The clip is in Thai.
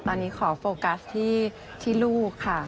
ตอนนี้ขอโฟกัสที่ลูกค่ะ